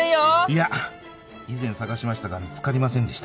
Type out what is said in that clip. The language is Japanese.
いや以前捜しましたが見つかりませんでした。